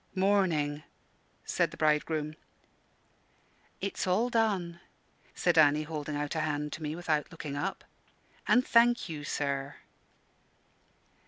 "Morning!" said the bridegroom. "It's all done," said Annie, holding out a hand to me, without looking up. "And thank you, sir."